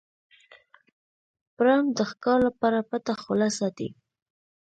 پړانګ د ښکار لپاره پټه خوله ساتي.